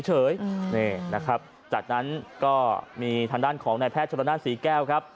จากนั้นก็มีทางด้านของแทนแพทย์ชรนฐานสีแก้วครับ